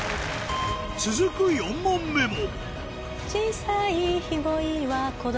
続く４問目も